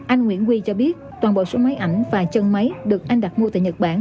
anh nguyễn quy cho biết toàn bộ số máy ảnh và chân máy được anh đặt mua tại nhật bản